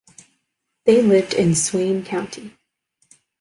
They lived in Swain County.